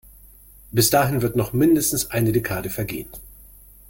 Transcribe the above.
Bis dahin wird noch mindestens eine Dekade vergehen.